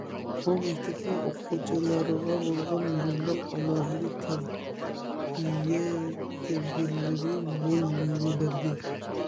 بۇ مەكتەپنىڭ ئوقۇغۇچىلارغا بولغان بۇنداق ئالاھىدە تەربىيە تەدبىرلىرى مول مېۋە بەردى.